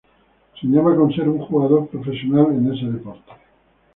Soñaba con ser un jugador profesional en ese deporte.